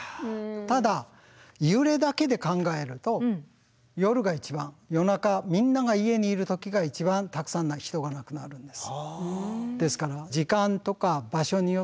ただ揺れだけで考えると夜が一番夜中みんなが家にいる時が一番たくさんの人が亡くなるんです。